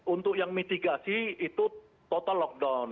untuk yang mitigasi itu total lockdown